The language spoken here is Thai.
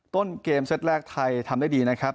ต้นเกมเซตแรกไทยทำได้ดีนะครับ